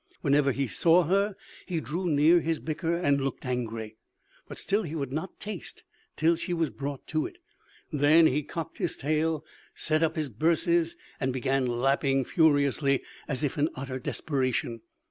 Whenever he saw her, he drew near his bicker and looked angry; but still he would not taste till she was brought to it, and then he cocked his tail, set up his birses, and began lapping furiously as if in utter desperation.